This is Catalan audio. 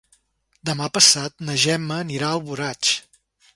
Demà passat na Gemma anirà a Alboraig.